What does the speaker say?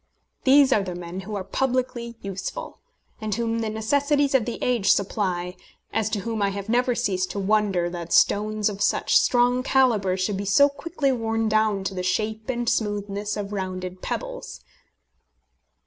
These are the men who are publicly useful, and whom the necessities of the age supply, as to whom I have never ceased to wonder that stones of such strong calibre should be so quickly worn down to the shape and smoothness of rounded pebbles.